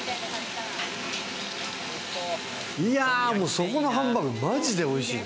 そこのハンバーグ、マジでおいしい。